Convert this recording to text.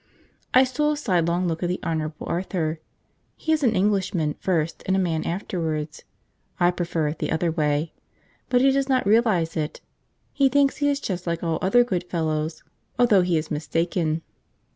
I stole a sidelong look at the Honourable Arthur. He is an Englishman first, and a man afterwards (I prefer it the other way), but he does not realise it; he thinks he is just like all other good fellows, although he is mistaken.